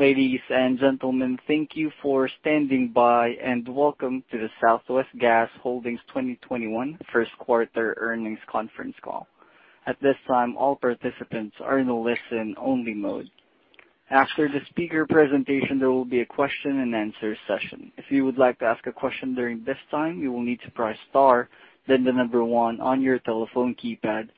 Ladies and gentlemen, thank you for standing by and welcome to the Southwest Gas Holdings 2021 first quarter earnings conference call. At this time, all participants are in a listen-only mode. After the speaker presentation, there will be a question and answer session. If you would like to ask a question during this time, you will need to press star, then the number one on your telephone keypad.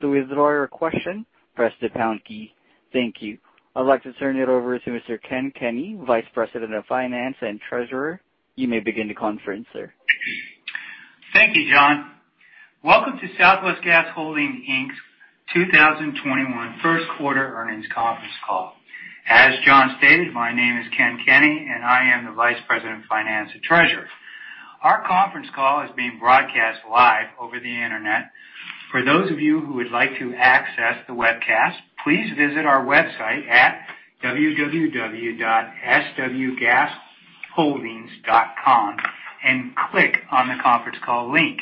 To withdraw your question, press the pound key. Thank you. I'd like to turn it over to Mr. Ken Kenny, Vice President of Finance and Treasurer. You may begin the conference, sir. Thank you, John. Welcome to Southwest Gas Holdings Inc 2021 first quarter earnings conference call. As John stated, my name is Ken Kenny, and I am the Vice President of Finance and Treasurer. Our conference call is being broadcast live over the internet. For those of you who would like to access the webcast, please visit our website at www.swgasholdings.com and click on the conference call link.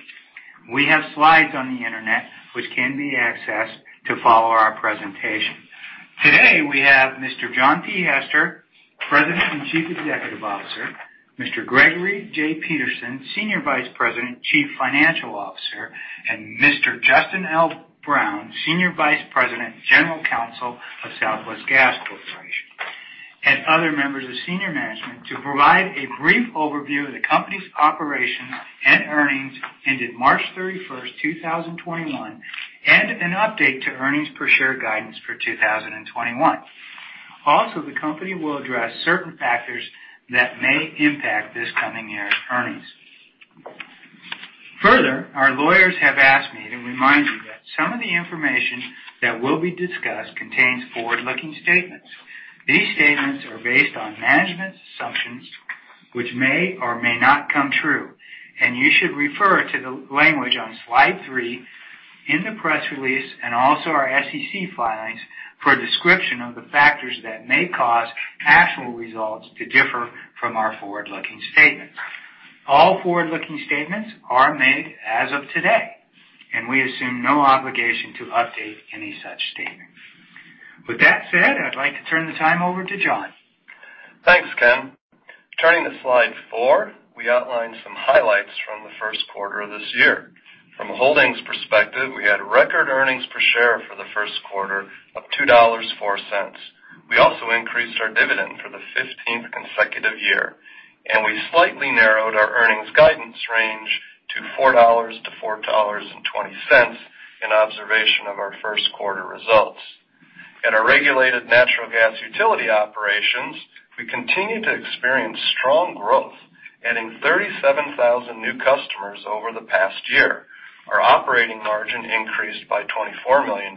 We have slides on the internet, which can be accessed to follow our presentation. Today, we have Mr. John P. Hester, President and Chief Executive Officer; Mr. Gregory J. Peterson, Senior Vice President, Chief Financial Officer; and Mr. Justin L. Brown, Senior Vice President, General Counsel of Southwest Gas Corporation, and other members of senior management to provide a brief overview of the company's operations and earnings ended March 31st, 2021, and an update to earnings per share guidance for 2021. Also, the company will address certain factors that may impact this coming year's earnings. Further, our lawyers have asked me to remind you that some of the information that will be discussed contains forward-looking statements. These statements are based on management's assumptions, which may or may not come true, and you should refer to the language on slide three in the press release and also our SEC filings for a description of the factors that may cause actual results to differ from our forward-looking statements. All forward-looking statements are made as of today, and we assume no obligation to update any such statement. With that said, I'd like to turn the time over to John. Thanks, Ken. Turning to slide four, we outline some highlights from the first quarter of this year. From a Holdings perspective, we had record earnings per share for the first quarter of $2.04. We also increased our dividend for the 15th consecutive year, and we slightly narrowed our earnings guidance range to $4.00-$4.20 in observation of our first quarter results. At our regulated natural gas utility operations, we continue to experience strong growth, adding 37,000 new customers over the past year. Our operating margin increased by $24 million.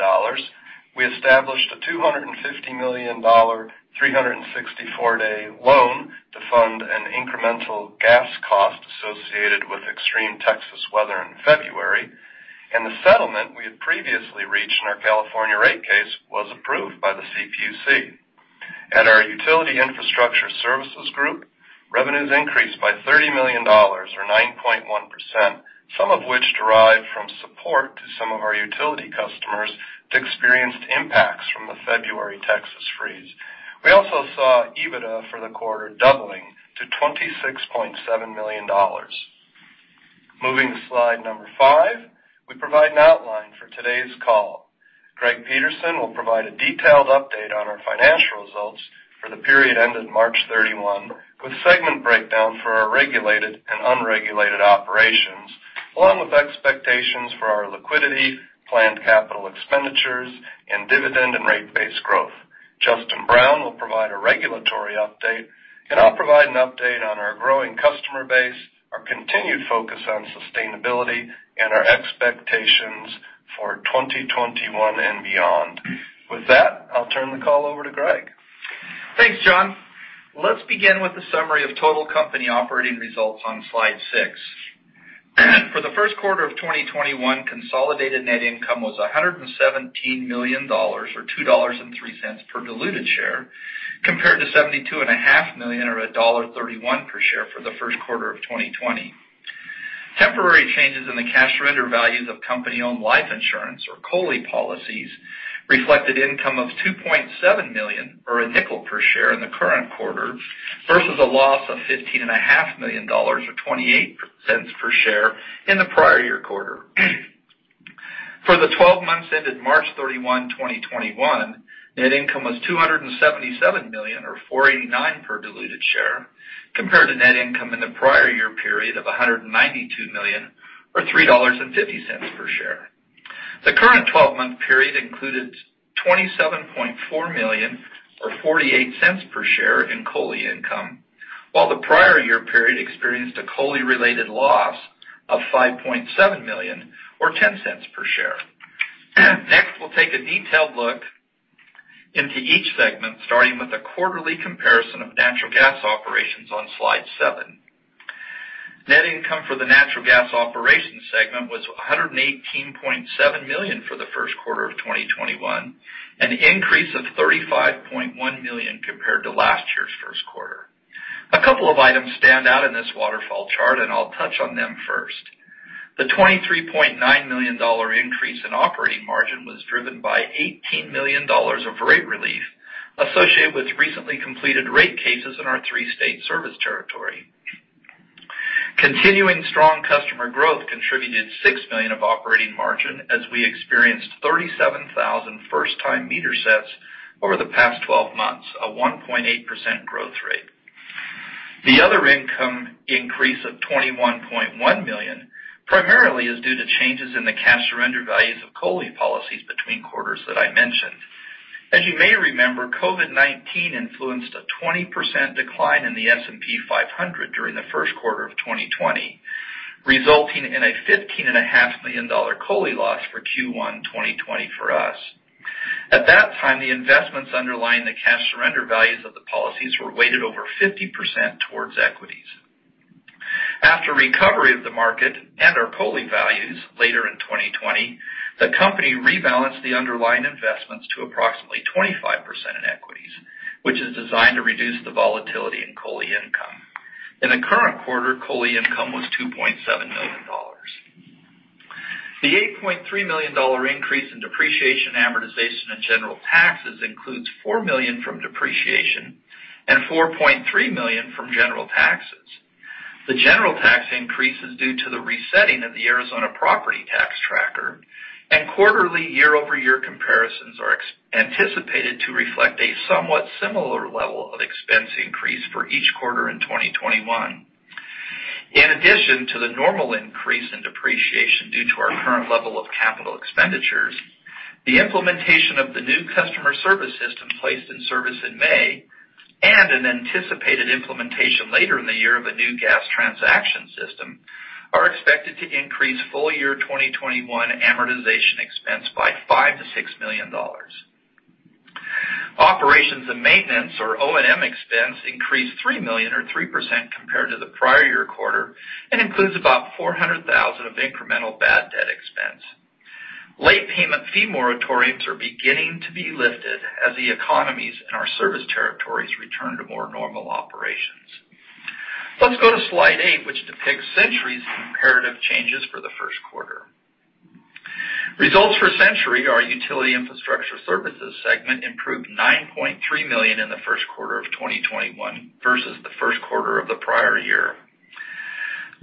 We established a $250 million 364-day loan to fund an incremental gas cost associated with extreme Texas weather in February, and the settlement we had previously reached in our California rate case was approved by the CPUC. At our utility infrastructure services group, revenues increased by $30 million, or 9.1%, some of which derived from support to some of our utility customers that experienced impacts from the February Texas freeze. We also saw EBITDA for the quarter doubling to $26.7 million. Moving to slide number five, we provide an outline for today's call. Greg Peterson will provide a detailed update on our financial results for the period ended March 31, with segment breakdown for our regulated and unregulated operations, along with expectations for our liquidity, planned capital expenditures, and dividend and rate base growth. Justin Brown will provide a regulatory update, and I'll provide an update on our growing customer base, our continued focus on sustainability, and our expectations for 2021 and beyond. With that, I'll turn the call over to Greg. Thanks, John. Let's begin with a summary of total company operating results on slide six. For the first quarter of 2021, consolidated net income was $117 million, or $2.03 per diluted share, compared to $72.5 million, or $1.31 per share for the first quarter of 2020. Temporary changes in the cash surrender values of company-owned life insurance, or COLI policies reflected income of $2.7 million, or a nickel per share in the current quarter, versus a loss of $15.5 million, or $0.28 per share, in the prior year quarter. For the 12 months ended March 31, 2021, net income was $277 million, or $4.89 per diluted share, compared to net income in the prior year period of $192 million, or $3.50 per share. The current 12-month period included $27.4 million, or $0.48 per share in COLI income, while the prior year period experienced a COLI-related loss of $5.7 million, or $0.10 per share. Next, we'll take a detailed look into each segment, starting with a quarterly comparison of natural gas operations on slide seven. Net income for the natural gas operations segment was $118.7 million for the first quarter of 2021, an increase of $35.1 million compared to last year's first quarter. A couple of items stand out in this waterfall chart, and I'll touch on them first. The $23.9 million increase in operating margin was driven by $18 million of rate relief associated with recently completed rate cases in our three-state service territory. Continuing strong customer growth contributed $6 million of operating margin as we experienced 37,000 first-time meter sets over the past 12 months, a 1.8% growth rate. The other income increase of $21.1 million primarily is due to changes in the cash surrender values of COLI policies between quarters that I mentioned. As you may remember, COVID-19 influenced a 20% decline in the S&P 500 during the first quarter of 2020, resulting in a $15.5 million COLI loss for Q1 2020 for us. At that time, the investments underlying the cash surrender values of the policies were weighted over 50% towards equities. After recovery of the market and our COLI values later in 2020, the company rebalanced the underlying investments to approximately 25% in equities, which is designed to reduce the volatility in COLI income. In the current quarter, COLI income was $2.7 million. The $8.3 million increase in depreciation, amortization, and general taxes includes $4 million from depreciation and $4.3 million from general taxes. The general tax increase is due to the resetting of the Arizona property tax tracker, and quarterly year-over-year comparisons are anticipated to reflect a somewhat similar level of expense increase for each quarter in 2021. In addition to the normal increase in depreciation due to our current level of capital expenditures, the implementation of the new customer service system placed in service in May and an anticipated implementation later in the year of a new gas transaction system are expected to increase full year 2021 amortization expense by $5 million-$6 million. Operations and maintenance, or O&M, expense increased $3 million, or 3%, compared to the prior year quarter, and includes about $400,000 of incremental bad debt expense. Late payment fee moratoriums are beginning to be lifted as the economies in our service territories return to more normal operations. Let's go to slide eight, which depicts Centuri's comparative changes for the first quarter. Results for Centuri, our utility infrastructure services segment, improved $9.3 million in the first quarter of 2021 versus the first quarter of the prior year.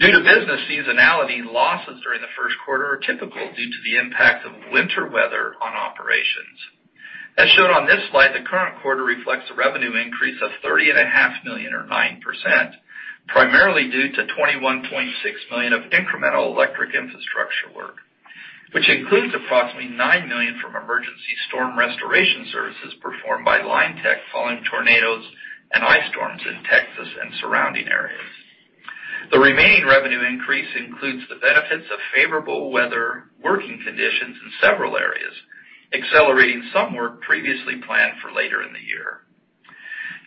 Due to business seasonality, losses during the first quarter are typical due to the impact of winter weather on operations. As shown on this slide, the current quarter reflects a revenue increase of $30.5 million, or 9%, primarily due to $21.6 million of incremental electric infrastructure work, which includes approximately $9 million from emergency storm restoration services performed by Linetec following tornadoes and ice storms in Texas and surrounding areas. The remaining revenue increase includes the benefits of favorable weather working conditions in several areas, accelerating some work previously planned for later in the year.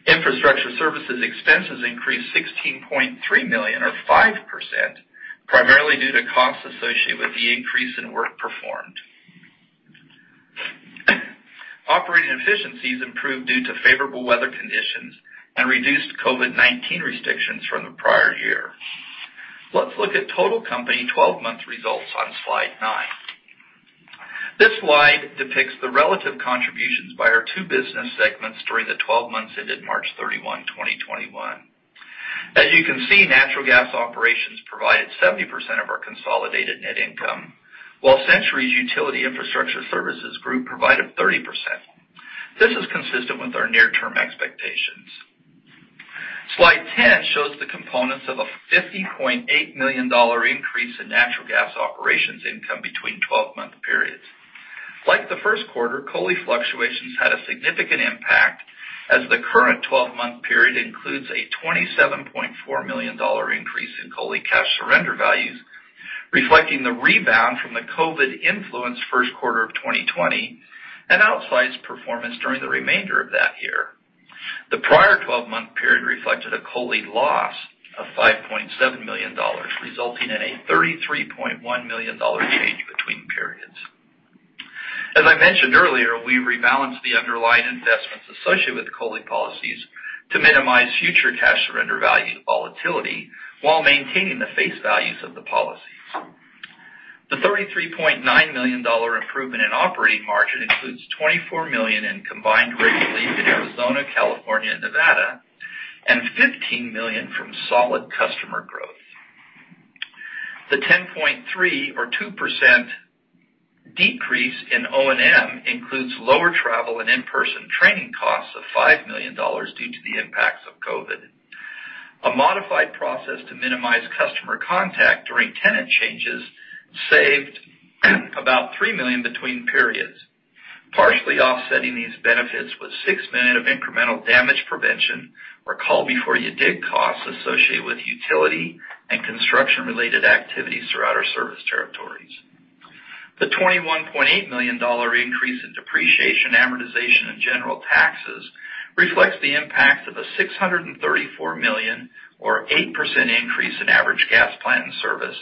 Infrastructure services expenses increased $16.3 million, or 5%, primarily due to costs associated with the increase in work performed. Operating efficiencies improved due to favorable weather conditions and reduced COVID-19 restrictions from the prior year. Let's look at total company 12-month results on slide nine. This slide depicts the relative contributions by our two business segments during the 12 months ended March 31, 2021. As you can see, natural gas operations provided 70% of our consolidated net income, while Centuri's utility infrastructure services group provided 30%. This is consistent with our near-term expectations. Slide 10 shows the components of a $50.8 million increase in natural gas operations income between 12-month periods. Like the first quarter, COLI fluctuations had a significant impact as the current 12-month period includes a $27.4 million increase in COLI cash surrender values, reflecting the rebound from the COVID-influenced first quarter of 2020 and outsized performance during the remainder of that year. The prior 12-month period reflected a COLI loss of $5.7 million, resulting in a $33.1 million change between periods. As I mentioned earlier, we rebalanced the underlying investments associated with COLI policies to minimize future cash surrender value volatility while maintaining the face values of the policies. The $33.9 million improvement in operating margin includes $24 million in combined rate relief in Arizona, California, and Nevada, and $15 million from solid customer growth. The $10.3 million, or 2%, decrease in O&M includes lower travel and in-person training costs of $5 million due to the impacts of COVID. A modified process to minimize customer contact during tenant changes saved about $3 million between periods. Partially offsetting these benefits was $6 million of incremental damage prevention, or call-before-you-dig costs associated with utility and construction-related activities throughout our service territories. The $21.8 million increase in depreciation, amortization, and general taxes reflects the impacts of a $634 million, or 8%, increase in average gas plant and service,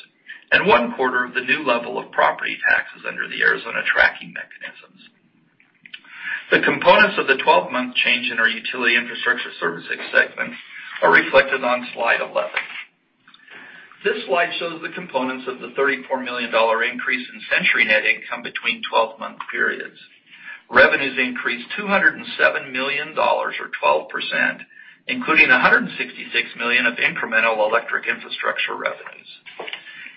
and one quarter of the new level of property taxes under the Arizona tracking mechanisms. The components of the 12-month change in our utility infrastructure services segment are reflected on slide 11. This slide shows the components of the $34 million increase in Centuri net income between 12-month periods. Revenues increased $207 million, or 12%, including $166 million of incremental electric infrastructure revenues.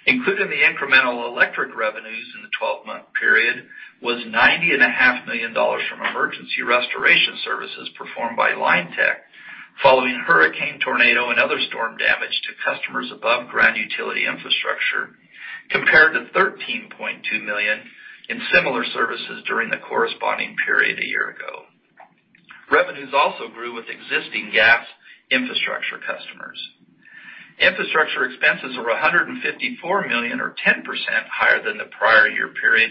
Included in the incremental electric revenues in the 12-month period was $90.5 million from emergency restoration services performed by Linetec following hurricane, tornado, and other storm damage to customers' above ground utility infrastructure, compared to $13.2 million in similar services during the corresponding period a year ago. Revenues also grew with existing gas infrastructure customers. Infrastructure expenses were $154 million, or 10%, higher than the prior year period,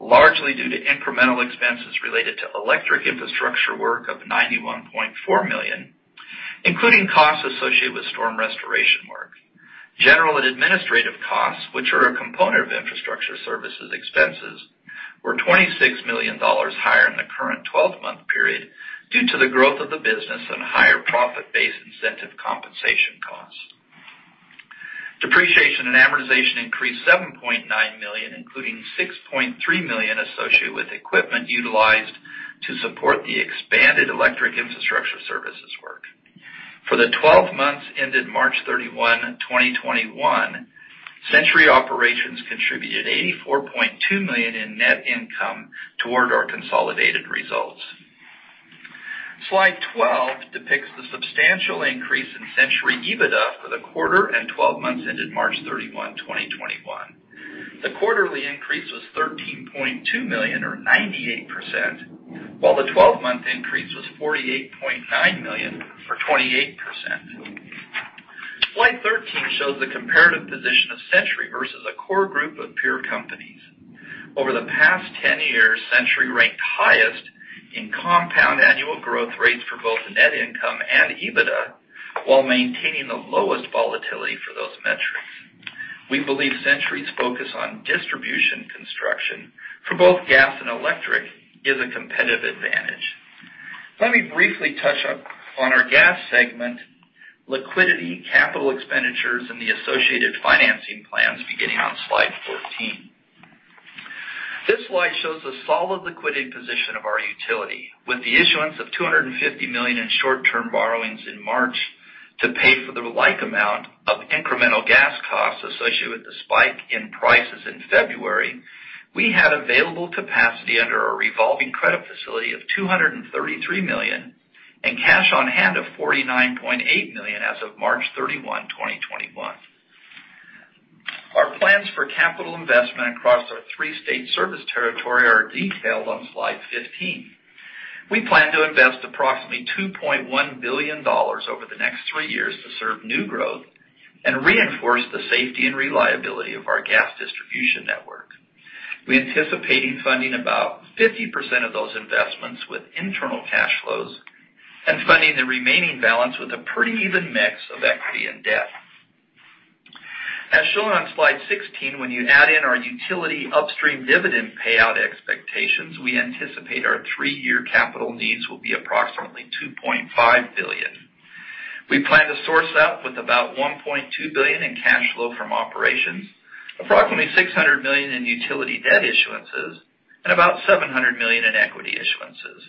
largely due to incremental expenses related to electric infrastructure work of $91.4 million, including costs associated with storm restoration work. General and administrative costs, which are a component of infrastructure services expenses, were $26 million higher in the current 12-month period due to the growth of the business and higher profit-based incentive compensation costs. Depreciation and amortization increased $7.9 million, including $6.3 million associated with equipment utilized to support the expanded electric infrastructure services work. For the 12 months ended March 31, 2021, Centuri operations contributed $84.2 million in net income toward our consolidated results. Slide 12 depicts the substantial increase in Centuri EBITDA for the quarter and 12 months ended March 31, 2021. The quarterly increase was $13.2 million, or 98%, while the 12-month increase was $48.9 million, or 28%. Slide 13 shows the comparative position of Centuri versus a core group of peer companies. Over the past 10 years, Centuri ranked highest in compound annual growth rates for both net income and EBITDA, while maintaining the lowest volatility for those metrics. We believe Centuri's focus on distribution construction for both gas and electric is a competitive advantage. Let me briefly touch on our gas segment, liquidity, capital expenditures, and the associated financing plans beginning on slide 14. This slide shows the solid liquidity position of our utility, with the issuance of $250 million in short-term borrowings in March to pay for the like amount of incremental gas costs associated with the spike in prices in February. We had available capacity under our revolving credit facility of $233 million and cash on hand of $49.8 million as of March 31, 2021. Our plans for capital investment across our three-state service territory are detailed on slide 15. We plan to invest approximately $2.1 billion over the next three years to serve new growth and reinforce the safety and reliability of our gas distribution network. We anticipate funding about 50% of those investments with internal cash flows and funding the remaining balance with a pretty even mix of equity and debt. As shown on slide 16, when you add in our utility upstream dividend payout expectations, we anticipate our three-year capital needs will be approximately $2.5 billion. We plan to source up with about $1.2 billion in cash flow from operations, approximately $600 million in utility debt issuances, and about $700 million in equity issuances.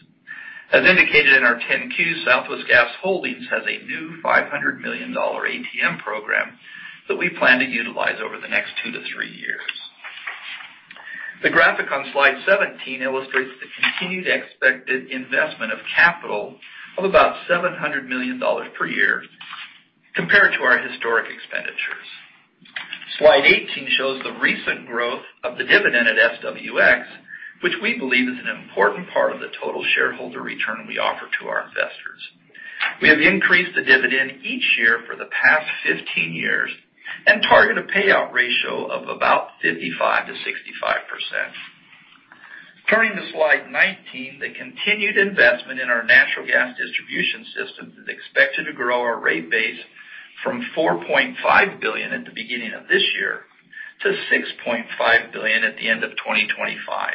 As indicated in our Form 10-Q, Southwest Gas Holdings has a new $500 million ATM program that we plan to utilize over the next two to three years. The graphic on slide 17 illustrates the continued expected investment of capital of about $700 million per year compared to our historic expenditures. Slide 18 shows the recent growth of the dividend at SWX, which we believe is an important part of the total shareholder return we offer to our investors. We have increased the dividend each year for the past 15 years and target a payout ratio of about 55%-65%. Turning to slide 19, the continued investment in our natural gas distribution system is expected to grow our rate base from $4.5 billion at the beginning of this year to $6.5 billion at the end of 2025,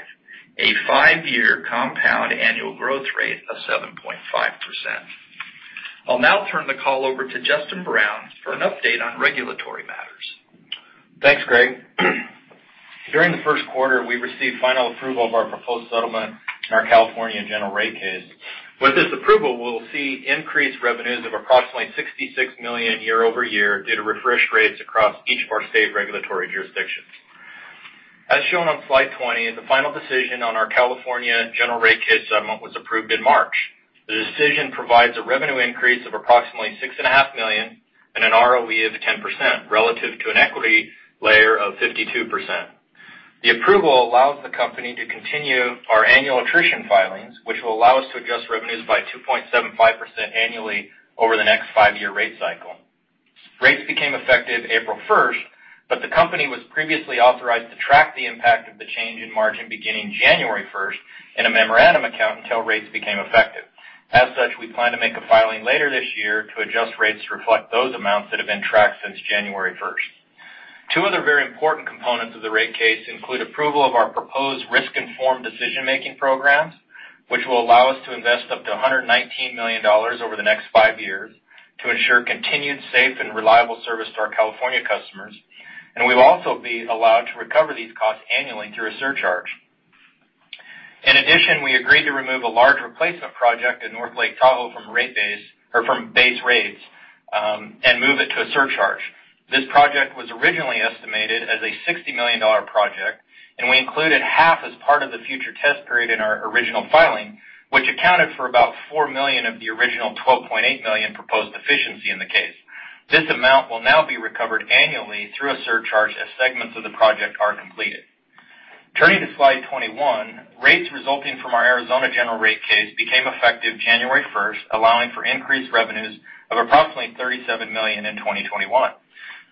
a five-year compound annual growth rate of 7.5%. I'll now turn the call over to Justin Brown for an update on regulatory matters. Thanks, Greg. During the first quarter, we received final approval of our proposed settlement in our California general rate case. With this approval, we'll see increased revenues of approximately $66 million year-over-year due to refreshed rates across each of our state regulatory jurisdictions. As shown on slide 20, the final decision on our California general rate case settlement was approved in March. The decision provides a revenue increase of approximately $6.5 million and an ROE of 10% relative to an equity layer of 52%. The approval allows the company to continue our annual attrition filings, which will allow us to adjust revenues by 2.75% annually over the next five-year rate cycle. Rates became effective April 1st, but the company was previously authorized to track the impact of the change in margin beginning January 1st in a memorandum account until rates became effective. As such, we plan to make a filing later this year to adjust rates to reflect those amounts that have been tracked since January 1st. Two other very important components of the rate case include approval of our proposed risk-informed decision-making programs, which will allow us to invest up to $119 million over the next five years to ensure continued safe and reliable service to our California customers, and we will also be allowed to recover these costs annually through a surcharge. In addition, we agreed to remove a large replacement project in North Lake Tahoe from base rates and move it to a surcharge. This project was originally estimated as a $60 million project, and we included half as part of the future test period in our original filing, which accounted for about $4 million of the original $12.8 million proposed deficiency in the case. This amount will now be recovered annually through a surcharge as segments of the project are completed. Turning to slide 21, rates resulting from our Arizona general rate case became effective January 1st, allowing for increased revenues of approximately $37 million in 2021.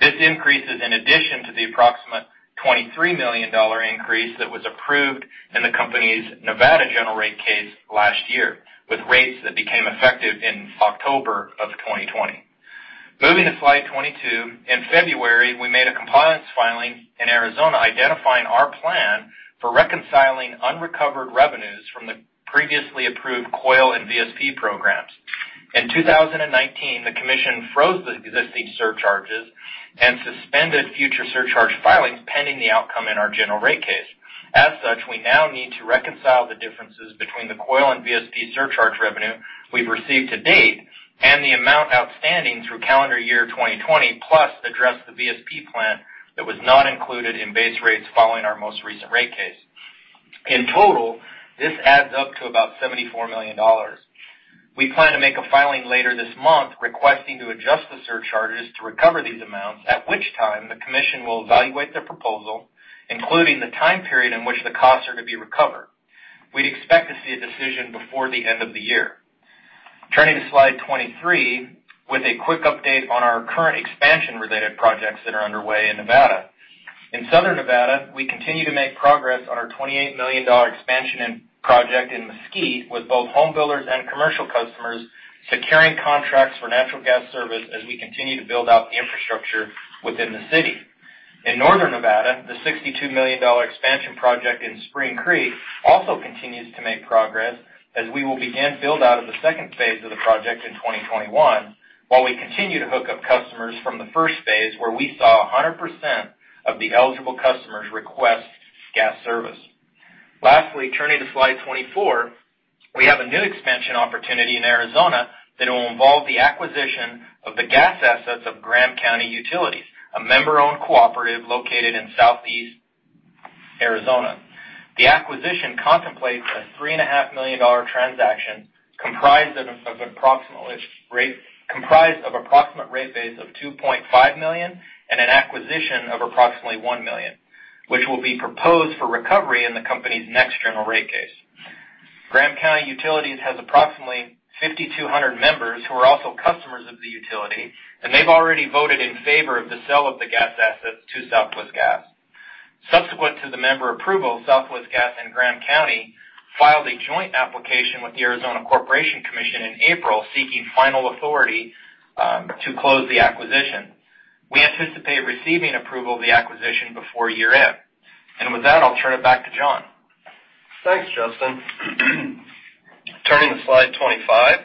This increase is in addition to the approximate $23 million increase that was approved in the company's Nevada general rate case last year, with rates that became effective in October of 2020. Moving to slide 22, in February, we made a compliance filing in Arizona identifying our plan for reconciling unrecovered revenues from the previously approved COYL and VSP programs. In 2019, the commission froze the existing surcharges and suspended future surcharge filings pending the outcome in our general rate case. As such, we now need to reconcile the differences between the COYL and VSP surcharge revenue we've received to date and the amount outstanding through calendar year 2020, plus address the VSP plan that was not included in base rates following our most recent rate case. In total, this adds up to about $74 million. We plan to make a filing later this month requesting to adjust the surcharges to recover these amounts, at which time the commission will evaluate the proposal, including the time period in which the costs are to be recovered. We'd expect to see a decision before the end of the year. Turning to slide 23, with a quick update on our current expansion-related projects that are underway in Nevada. In Southern Nevada, we continue to make progress on our $28 million expansion project in Mesquite, with both homebuilders and commercial customers securing contracts for natural gas service as we continue to build out the infrastructure within the city. In Northern Nevada, the $62 million expansion project in Spring Creek also continues to make progress as we will begin build-out of the second phase of the project in 2021, while we continue to hook up customers from the first phase where we saw 100% of the eligible customers request gas service. Lastly, turning to slide 24, we have a new expansion opportunity in Arizona that will involve the acquisition of the gas assets of Graham County Utilities, a member-owned cooperative located in southeast Arizona. The acquisition contemplates a $3.5 million transaction comprised of an approximate rate base of $2.5 million and an acquisition of approximately $1 million, which will be proposed for recovery in the company's next general rate case. Graham County Utilities has approximately 5,200 members who are also customers of the utility, and they've already voted in favor of the sale of the gas assets to Southwest Gas. Subsequent to the member approval, Southwest Gas and Graham County filed a joint application with the Arizona Corporation Commission in April seeking final authority to close the acquisition. We anticipate receiving approval of the acquisition before year-end. With that, I'll turn it back to John. Thanks, Justin. Turning to slide 25,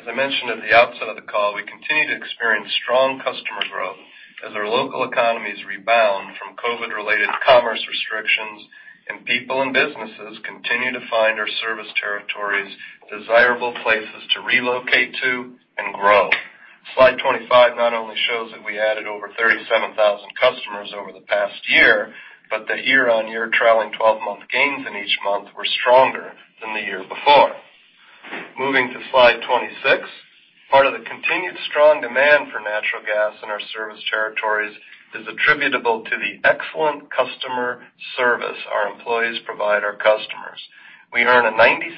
as I mentioned at the outset of the call, we continue to experience strong customer growth as our local economies rebound from COVID-related commerce restrictions, and people and businesses continue to find our service territories desirable places to relocate to and grow. Slide 25 not only shows that we added over 37,000 customers over the past year, but the year-on-year trailing 12-month gains in each month were stronger than the year before. Moving to slide 26, part of the continued strong demand for natural gas in our service territories is attributable to the excellent customer service our employees provide our customers. We earn a 96%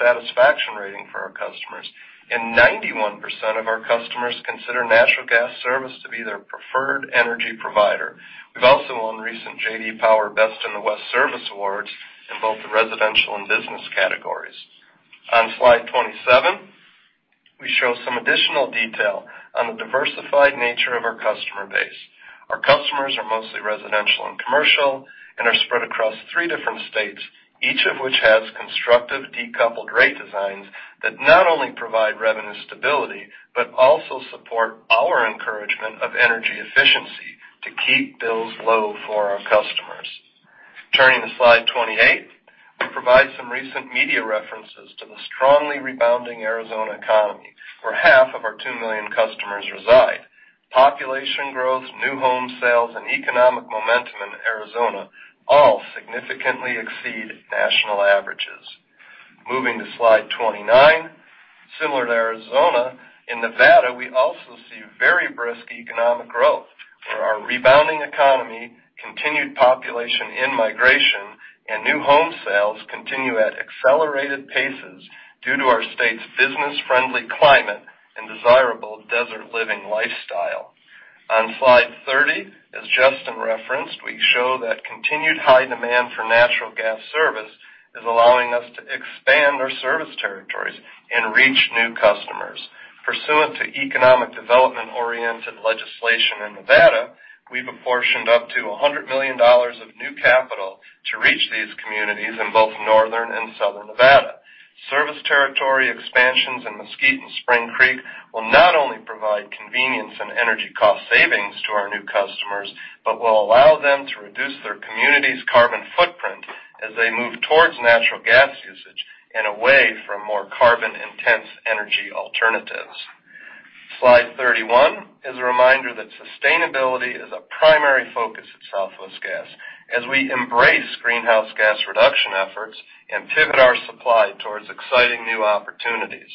satisfaction rating for our customers, and 91% of our customers consider natural gas service to be their preferred energy provider. We've also won recent J.D. Power Best in the West Service Awards in both the residential and business categories. On slide 27, we show some additional detail on the diversified nature of our customer base. Our customers are mostly residential and commercial and are spread across three different states, each of which has constructive decoupled rate designs that not only provide revenue stability but also support our encouragement of energy efficiency to keep bills low for our customers. Turning to slide 28, we provide some recent media references to the strongly rebounding Arizona economy, where half of our two million customers reside. Population growth, new home sales, and economic momentum in Arizona all significantly exceed national averages. Moving to slide 29, similar to Arizona, in Nevada, we also see very brisk economic growth, where our rebounding economy, continued population in migration, and new home sales continue at accelerated paces due to our state's business-friendly climate and desirable desert-living lifestyle. On slide 30, as Justin referenced, we show that continued high demand for natural gas service is allowing us to expand our service territories and reach new customers. Pursuant to economic development-oriented legislation in Nevada, we have apportioned up to $100 million of new capital to reach these communities in both Northern and Southern Nevada. Service territory expansions in Mesquite and Spring Creek will not only provide convenience and energy cost savings to our new customers but will allow them to reduce their community's carbon footprint as they move towards natural gas usage and away from more carbon-intense energy alternatives. Slide 31 is a reminder that sustainability is a primary focus at Southwest Gas as we embrace greenhouse gas reduction efforts and pivot our supply towards exciting new opportunities.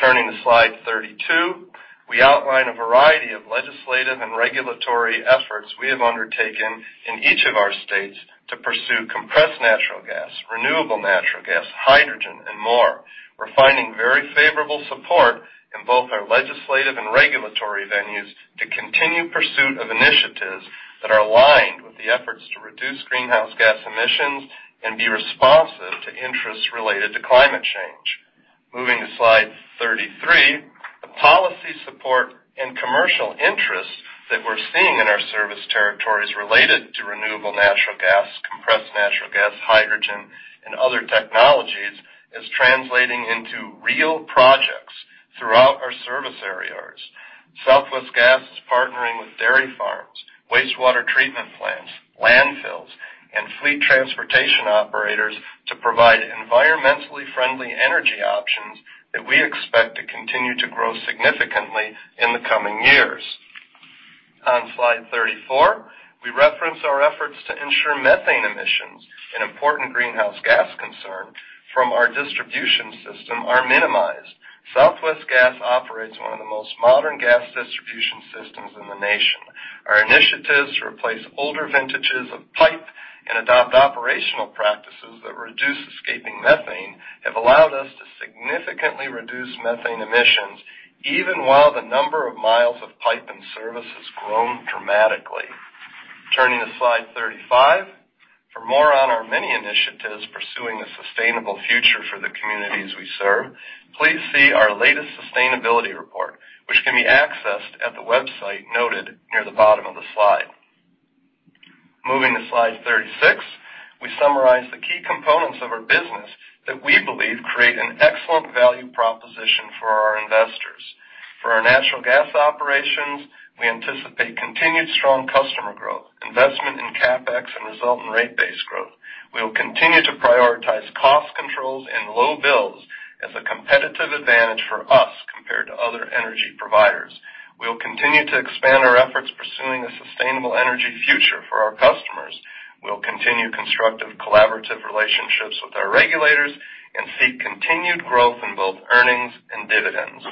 Turning to slide 32, we outline a variety of legislative and regulatory efforts we have undertaken in each of our states to pursue compressed natural gas, renewable natural gas, hydrogen, and more. We're finding very favorable support in both our legislative and regulatory venues to continue pursuit of initiatives that are aligned with the efforts to reduce greenhouse gas emissions and be responsive to interests related to climate change. Moving to slide 33, the policy support and commercial interest that we're seeing in our service territories related to renewable natural gas, compressed natural gas, hydrogen, and other technologies is translating into real projects throughout our service areas. Southwest Gas is partnering with dairy farms, wastewater treatment plants, landfills, and fleet transportation operators to provide environmentally friendly energy options that we expect to continue to grow significantly in the coming years. On slide 34, we reference our efforts to ensure methane emissions, an important greenhouse gas concern from our distribution system, are minimized. Southwest Gas operates one of the most modern gas distribution systems in the nation. Our initiatives to replace older vintages of pipe and adopt operational practices that reduce escaping methane have allowed us to significantly reduce methane emissions, even while the number of miles of pipe and service has grown dramatically. Turning to slide 35, for more on our many initiatives pursuing a sustainable future for the communities we serve, please see our latest sustainability report, which can be accessed at the website noted near the bottom of the slide. Moving to slide 36, we summarize the key components of our business that we believe create an excellent value proposition for our investors. For our natural gas operations, we anticipate continued strong customer growth, investment in CapEx, and resultant rate base growth. We will continue to prioritize cost controls and low bills as a competitive advantage for us compared to other energy providers. We will continue to expand our efforts pursuing a sustainable energy future for our customers. We will continue constructive collaborative relationships with our regulators and seek continued growth in both earnings and dividends.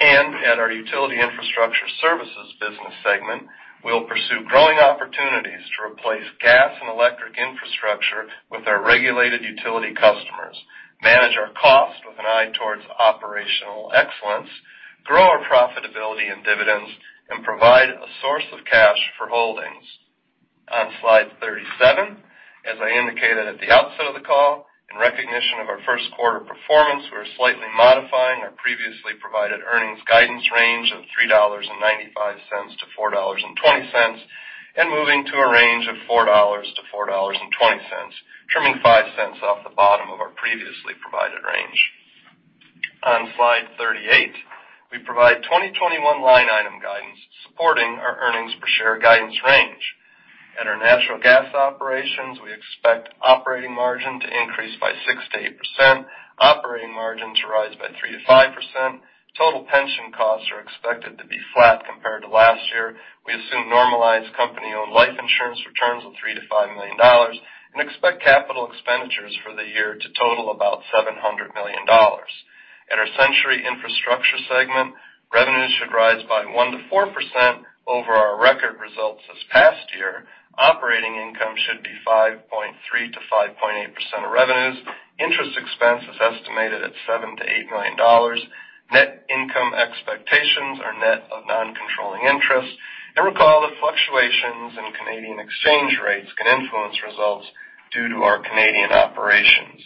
At our utility infrastructure services business segment, we will pursue growing opportunities to replace gas and electric infrastructure with our regulated utility customers, manage our costs with an eye towards operational excellence, grow our profitability and dividends, and provide a source of cash for Holdings. On slide 37, as I indicated at the outset of the call, in recognition of our first quarter performance, we're slightly modifying our previously provided earnings guidance range of $3.95-$4.20 and moving to a range of $4.00-$4.20, trimming $0.05 off the bottom of our previously provided range. On slide 38, we provide 2021 line item guidance supporting our earnings per share guidance range. At our natural gas operations, we expect operating margin to increase by 6%-8%, operating margin to rise by 3%-5%. Total pension costs are expected to be flat compared to last year. We assume normalized company-owned life insurance returns of $3 million-$5 million and expect capital expenditures for the year to total about $700 million. At our Centuri infrastructure segment, revenues should rise by 1%-4% over our record results this past year. Operating income should be 5.3%-5.8% of revenues. Interest expense is estimated at $7 million-$8 million. Net income expectations are net of non-controlling interest. Recall that fluctuations in Canadian exchange rates can influence results due to our Canadian operations.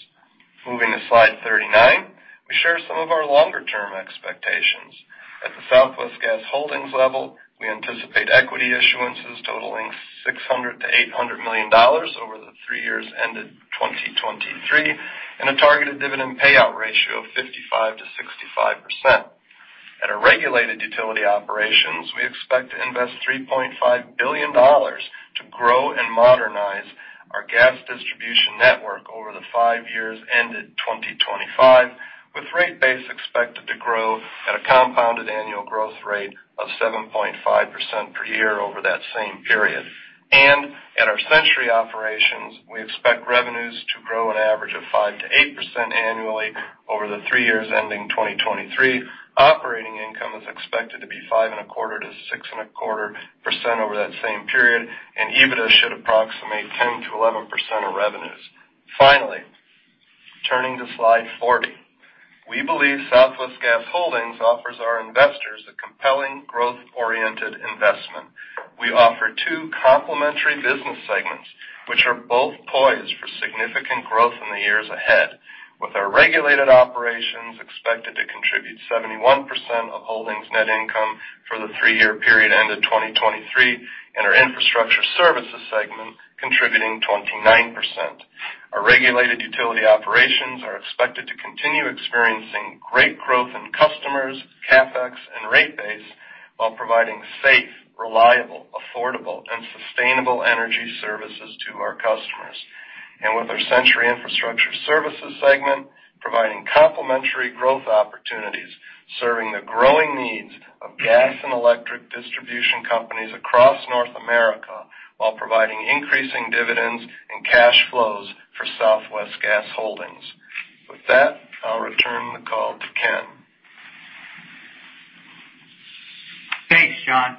Moving to slide 39, we share some of our longer-term expectations. At the Southwest Gas Holdings level, we anticipate equity issuances totaling $600 million-$800 million over the three years ended 2023 and a targeted dividend payout ratio of 55%-65%. At our regulated utility operations, we expect to invest $3.5 billion to grow and modernize our gas distribution network over the five years ended 2025, with rate base expected to grow at a compounded annual growth rate of 7.5% per year over that same period. At our Centuri operations, we expect revenues to grow an average of 5%-8% annually over the three years ending 2023. Operating income is expected to be 5.25%-6.25% over that same period, and EBITDA should approximate 10%-11% of revenues. Finally, turning to slide 40, we believe Southwest Gas Holdings offers our investors a compelling growth-oriented investment. We offer two complementary business segments, which are both poised for significant growth in the years ahead, with our regulated operations expected to contribute 71% of Holdings' net income for the three-year period ended 2023 and our infrastructure services segment contributing 29%. Our regulated utility operations are expected to continue experiencing great growth in customers, CapEx, and rate base while providing safe, reliable, affordable, and sustainable energy services to our customers. With our Centuri infrastructure services segment providing complementary growth opportunities, serving the growing needs of gas and electric distribution companies across North America while providing increasing dividends and cash flows for Southwest Gas Holdings. With that, I'll return the call to Ken. Thanks, John.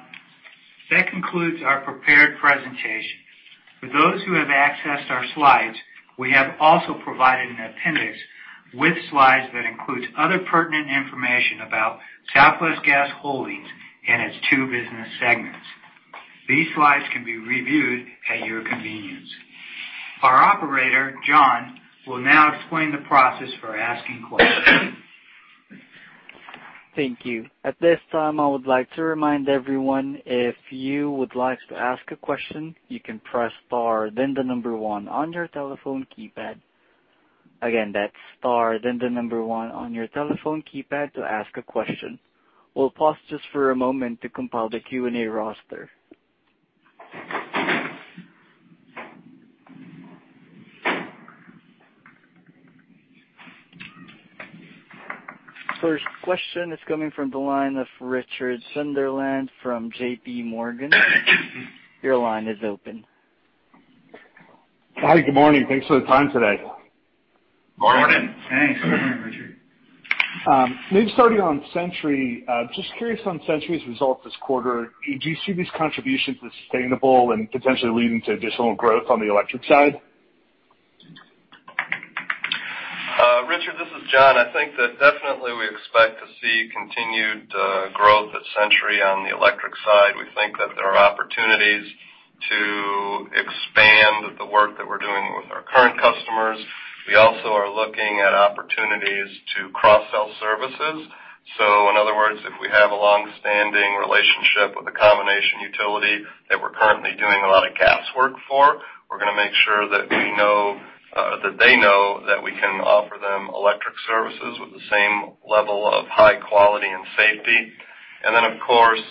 That concludes our prepared presentation. For those who have accessed our slides, we have also provided an appendix with slides that includes other pertinent information about Southwest Gas Holdings and its two business segments. These slides can be reviewed at your convenience. Our operator, John, will now explain the process for asking questions. Thank you. At this time, I would like to remind everyone, if you would like to ask a question, you can press star, then the number one on your telephone keypad. Again, that's star, then the number one on your telephone keypad to ask a question. We'll pause just for a moment to compile the Q&A roster. First question is coming from the line of Richard Sunderland from JPMorgan. Your line is open. Hi, good morning. Thanks for the time today. Morning. Thanks. Good morning, Richard. We've started on Centuri. Just curious on Centuri's result this quarter. Do you see these contributions as sustainable and potentially leading to additional growth on the electric side? Richard, this is John. I think that definitely we expect to see continued growth at Centuri on the electric side. We think that there are opportunities to expand the work that we're doing with our current customers. We also are looking at opportunities to cross-sell services. In other words, if we have a long-standing relationship with a combination utility that we're currently doing a lot of gas work for, we're going to make sure that they know that we can offer them electric services with the same level of high quality and safety. Of course,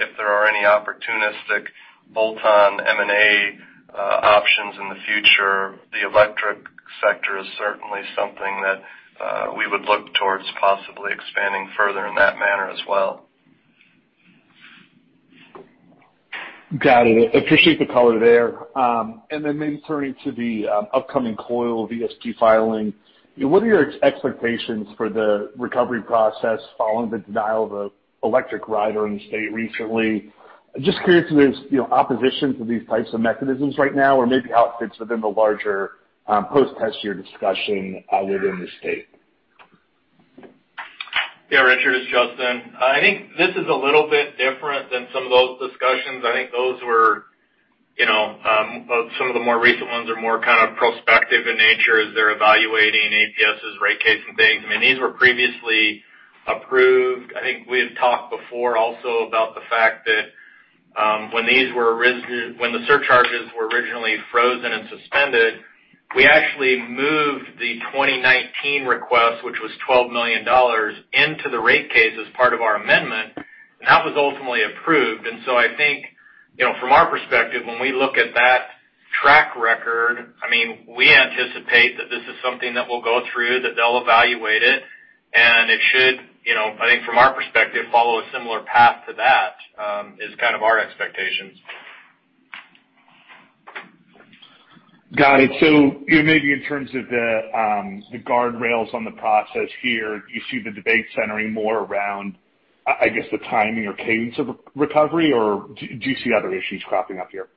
if there are any opportunistic bolt-on M&A options in the future, the electric sector is certainly something that we would look towards possibly expanding further in that manner as well. Got it. Appreciate the color there. Maybe turning to the upcoming COYL VSP filing, what are your expectations for the recovery process following the denial of the electric rider in the state recently? Just curious if there's opposition to these types of mechanisms right now or maybe how it fits within the larger post-test year discussion within the state. Yeah, Richard, it's Justin. I think this is a little bit different than some of those discussions. I think those were some of the more recent ones are more kind of prospective in nature as they're evaluating APS's rate case and things. I mean, these were previously approved. I think we had talked before also about the fact that when the surcharges were originally frozen and suspended, we actually moved the 2019 request, which was $12 million, into the rate case as part of our amendment, and that was ultimately approved. I think from our perspective, when we look at that track record, I mean, we anticipate that this is something that we'll go through, that they'll evaluate it, and it should, I think from our perspective, follow a similar path to that is kind of our expectations. Got it. Maybe in terms of the guardrails on the process here, do you see the debate centering more around, I guess, the timing or cadence of recovery, or do you see other issues cropping up here?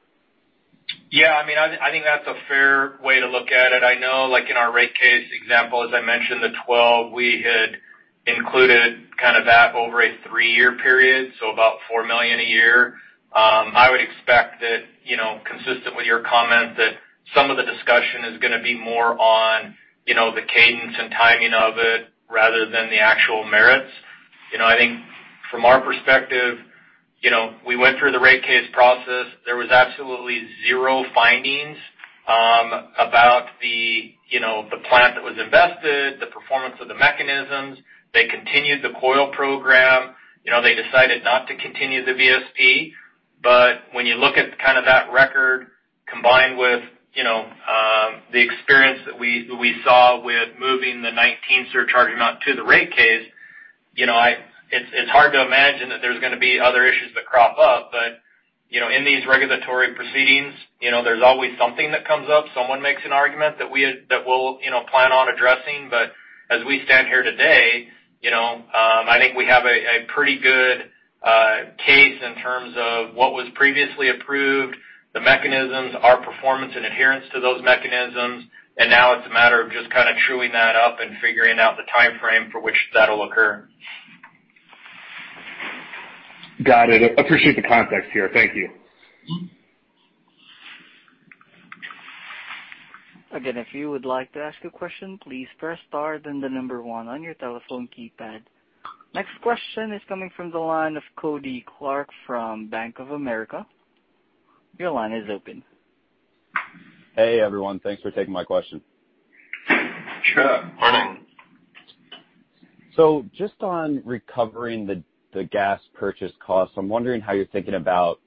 Yeah. I mean, I think that's a fair way to look at it. I know in our rate case example, as I mentioned, the 12, we had included kind of that over a three-year period, so about $4 million a year. I would expect that, consistent with your comment, that some of the discussion is going to be more on the cadence and timing of it rather than the actual merits. I think from our perspective, we went through the rate case process. There was absolutely zero findings about the plant that was invested, the performance of the mechanisms. They continued the COYL program. They decided not to continue the VSP. When you look at kind of that record combined with the experience that we saw with moving the 2019 surcharge amount to the rate case, it's hard to imagine that there's going to be other issues that crop up. In these regulatory proceedings, there's always something that comes up. Someone makes an argument that we'll plan on addressing. As we stand here today, I think we have a pretty good case in terms of what was previously approved, the mechanisms, our performance in adherence to those mechanisms. Now it's a matter of just kind of truing that up and figuring out the timeframe for which that'll occur. Got it. Appreciate the context here. Thank you. Again, if you would like to ask a question, please press star, then the number one on your telephone keypad. Next question is coming from the line of Kody Clark from Bank of America. Your line is open. Hey, everyone. Thanks for taking my question. Sure. Morning. Just on recovering the gas purchase costs, I'm wondering how you're thinking about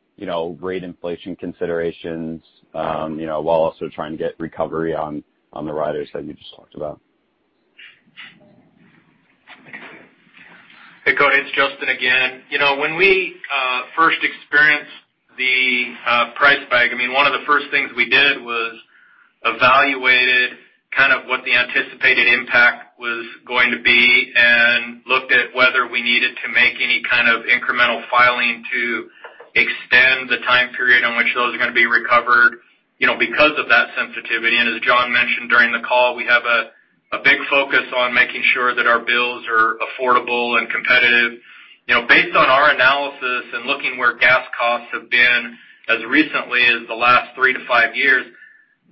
rate inflation considerations while also trying to get recovery on the riders that you just talked about. Hey, Kody. It's Justin again. When we first experienced the price spike, I mean, one of the first things we did was evaluated kind of what the anticipated impact was going to be and looked at whether we needed to make any kind of incremental filing to extend the time period on which those are going to be recovered because of that sensitivity. As John mentioned during the call, we have a big focus on making sure that our bills are affordable and competitive. Based on our analysis and looking where gas costs have been as recently as the last three to five years,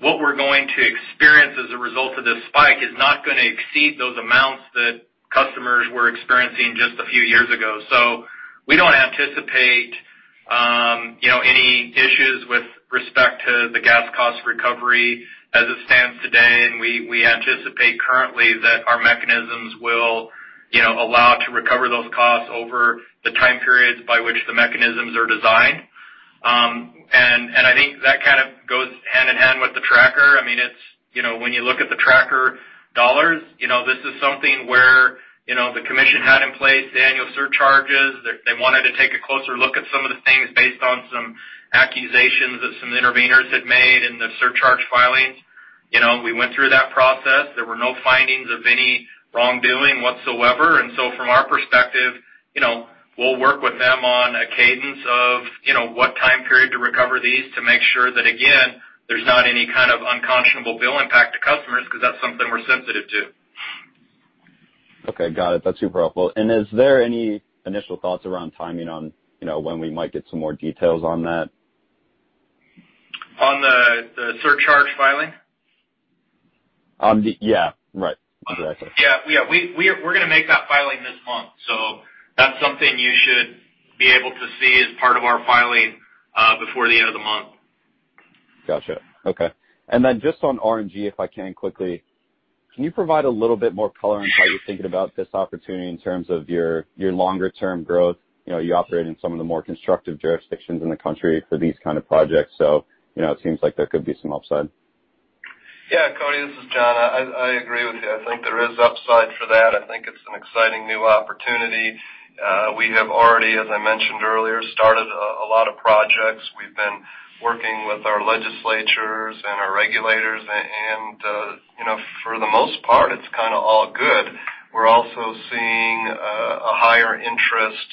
what we're going to experience as a result of this spike is not going to exceed those amounts that customers were experiencing just a few years ago. We do not anticipate any issues with respect to the gas cost recovery as it stands today. We anticipate currently that our mechanisms will allow to recover those costs over the time periods by which the mechanisms are designed. I think that kind of goes hand in hand with the tracker. I mean, when you look at the tracker dollars, this is something where the commission had in place the annual surcharges. They wanted to take a closer look at some of the things based on some accusations that some intervenors had made in the surcharge filings. We went through that process. There were no findings of any wrongdoing whatsoever. From our perspective, we'll work with them on a cadence of what time period to recover these to make sure that, again, there's not any kind of unconscionable bill impact to customers because that's something we're sensitive to. Okay. Got it. That's super helpful. Is there any initial thoughts around timing on when we might get some more details on that? On the surcharge filing? Yeah. Right. Exactly. Yeah. We're going to make that filing this month. That's something you should be able to see as part of our filing before the end of the month. Gotcha. Okay. Just on RNG, if I can quickly, can you provide a little bit more color into how you're thinking about this opportunity in terms of your longer-term growth? You operate in some of the more constructive jurisdictions in the country for these kind of projects. It seems like there could be some upside. Yeah. Kody, this is John. I agree with you. I think there is upside for that. I think it's an exciting new opportunity. We have already, as I mentioned earlier, started a lot of projects. We've been working with our legislatures and our regulators. For the most part, it's kind of all good. We're also seeing a higher interest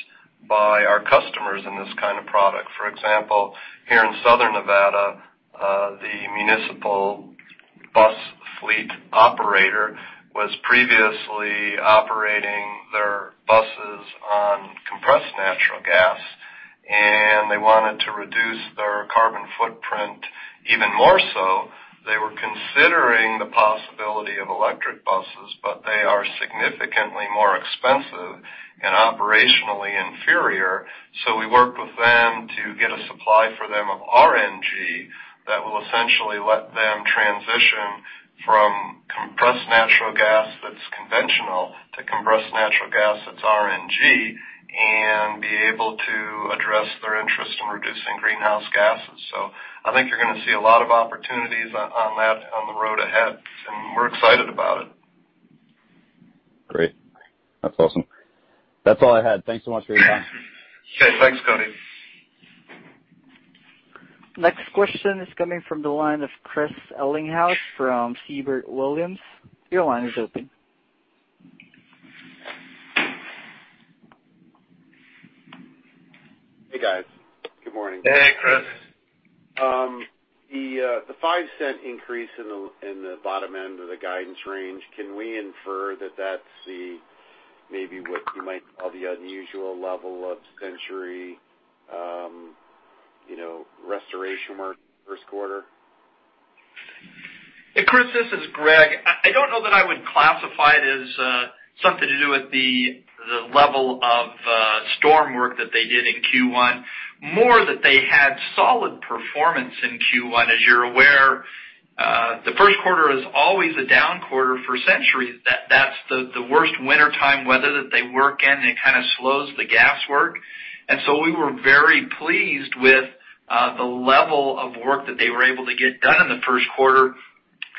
by our customers in this kind of product. For example, here in Southern Nevada, the municipal bus fleet operator was previously operating their buses on compressed natural gas. They wanted to reduce their carbon footprint even more so. They were considering the possibility of electric buses, but they are significantly more expensive and operationally inferior. We worked with them to get a supply for them of RNG that will essentially let them transition from compressed natural gas that's conventional to compressed natural gas that's RNG and be able to address their interest in reducing greenhouse gases. I think you're going to see a lot of opportunities on that on the road ahead. We're excited about it. Great. That's awesome. That's all I had. Thanks so much for your time. Okay. Thanks, Kody. Next question is coming from the line of Chris Ellinghaus from Siebert Williams. Your line is open. Hey, guys. Good morning. Hey, Chris. The $0.05 increase in the bottom end of the guidance range, can we infer that that's maybe what you might call the unusual level of Centuri restoration work first quarter? Hey, Chris, this is Greg. I don't know that I would classify it as something to do with the level of storm work that they did in Q1, more that they had solid performance in Q1. As you're aware, the first quarter is always a down quarter for Centuri. That's the worst wintertime weather that they work in. It kind of slows the gas work. We were very pleased with the level of work that they were able to get done in the first quarter.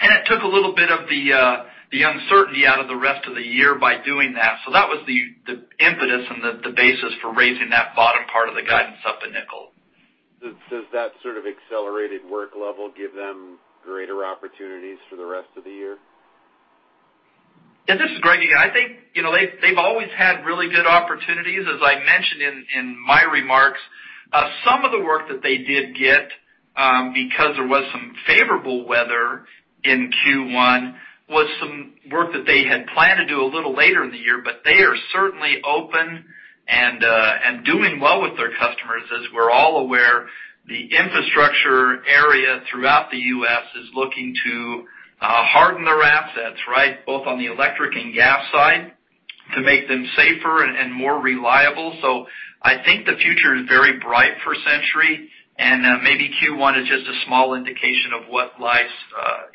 It took a little bit of the uncertainty out of the rest of the year by doing that. That was the impetus and the basis for raising that bottom part of the guidance up a nickel. Does that sort of accelerated work level give them greater opportunities for the rest of the year? Yeah. This is Greg again. I think they've always had really good opportunities. As I mentioned in my remarks, some of the work that they did get because there was some favorable weather in Q1 was some work that they had planned to do a little later in the year. They are certainly open and doing well with their customers. As we're all aware, the infrastructure area throughout the U.S. is looking to harden their assets, right, both on the electric and gas side to make them safer and more reliable. I think the future is very bright for Centuri. Maybe Q1 is just a small indication of what lies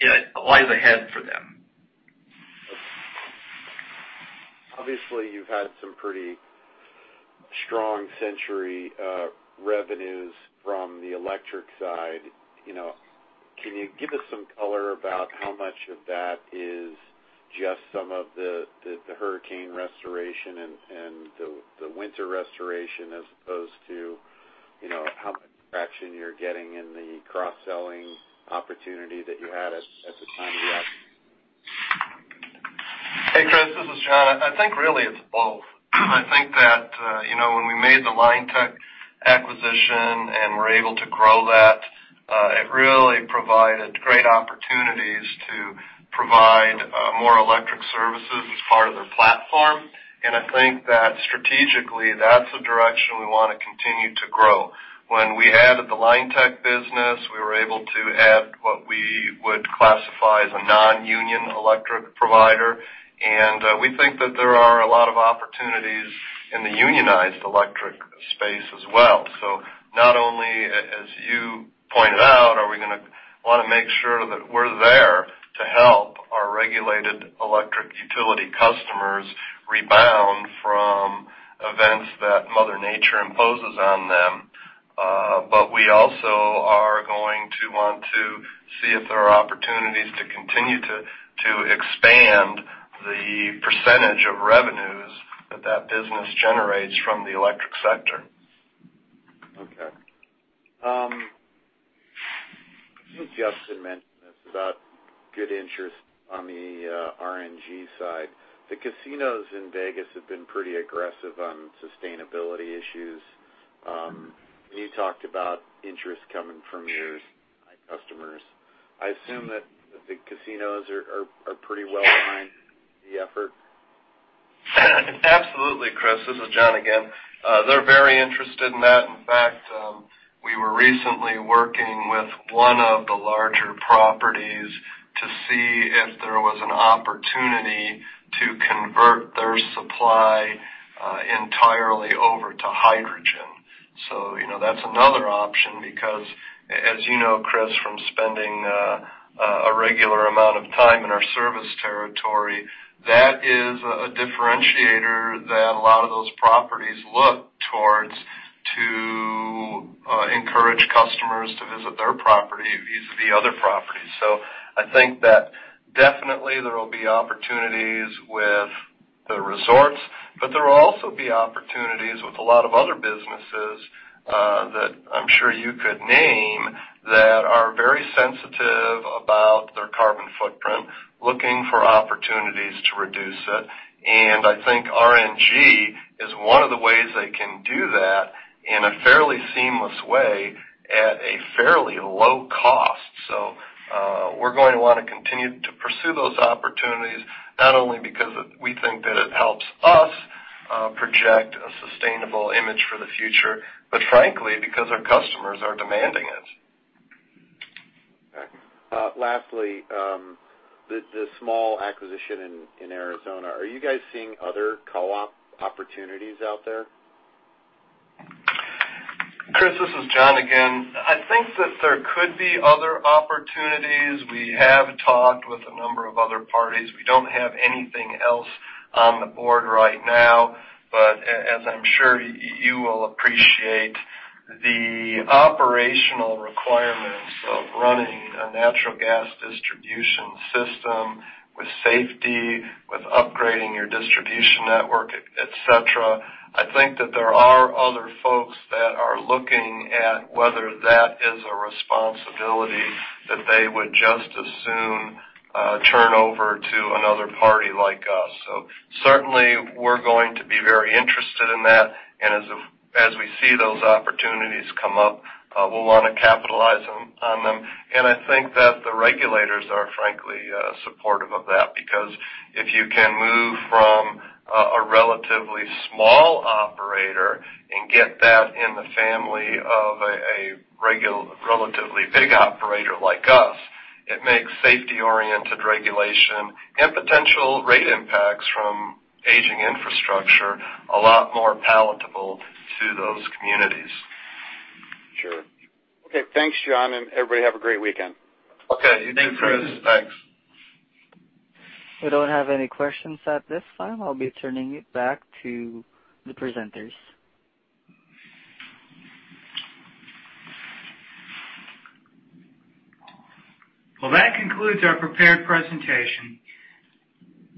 ahead for them. Obviously, you've had some pretty strong Centuri revenues from the electric side. Can you give us some color about how much of that is just some of the hurricane restoration and the winter restoration as opposed to how much traction you're getting in the cross-selling opportunity that you had at the time of the accident? Hey, Chris. This is John. I think really it's both. I think that when we made the Linetec acquisition and were able to grow that, it really provided great opportunities to provide more electric services as part of their platform. I think that strategically, that's a direction we want to continue to grow. When we added the Linetec business, we were able to add what we would classify as a non-union electric provider. We think that there are a lot of opportunities in the unionized electric space as well. Not only, as you pointed out, are we going to want to make sure that we're there to help our regulated electric utility customers rebound from events that Mother Nature imposes on them. We also are going to want to see if there are opportunities to continue to expand the percentage of revenues that that business generates from the electric sector. Okay. I think Justin mentioned this about good interest on the RNG side. The casinos in Vegas have been pretty aggressive on sustainability issues. You talked about interest coming from your customers. I assume that the casinos are pretty well behind the effort. Absolutely, Chris. This is John again. They're very interested in that. In fact, we were recently working with one of the larger properties to see if there was an opportunity to convert their supply entirely over to hydrogen. That's another option because, as you know, Chris, from spending a regular amount of time in our service territory, that is a differentiator that a lot of those properties look towards to encourage customers to visit their property vis-à-vis other properties. I think that definitely there will be opportunities with the resorts. There will also be opportunities with a lot of other businesses that I'm sure you could name that are very sensitive about their carbon footprint, looking for opportunities to reduce it. I think RNG is one of the ways they can do that in a fairly seamless way at a fairly low cost. We're going to want to continue to pursue those opportunities, not only because we think that it helps us project a sustainable image for the future, but frankly, because our customers are demanding it. Lastly, the small acquisition in Arizona. Are you guys seeing other co-op opportunities out there? Chris, this is John again. I think that there could be other opportunities. We have talked with a number of other parties. We do not have anything else on the board right now. As I am sure you will appreciate, the operational requirements of running a natural gas distribution system with safety, with upgrading your distribution network, etc., I think that there are other folks that are looking at whether that is a responsibility that they would just as soon turn over to another party like us. Certainly, we are going to be very interested in that. As we see those opportunities come up, we will want to capitalize on them. I think that the regulators are frankly supportive of that because if you can move from a relatively small operator and get that in the family of a relatively big operator like us, it makes safety-oriented regulation and potential rate impacts from aging infrastructure a lot more palatable to those communities. Sure. Okay. Thanks, John. And everybody have a great weekend. Okay. You too, Chris. Thanks. We do not have any questions at this time. I will be turning it back to the presenters. That concludes our prepared presentation.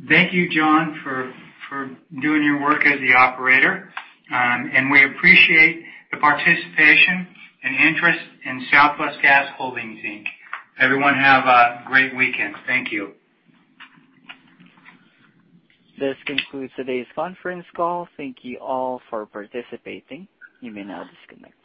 Thank you, John, for doing your work as the operator. We appreciate the participation and interest in Southwest Gas Holdings Inc. Everyone have a great weekend. Thank you. This concludes today's conference call. Thank you all for participating. You may now disconnect.